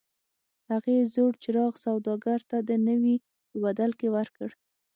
هغې زوړ څراغ سوداګر ته د نوي په بدل کې ورکړ.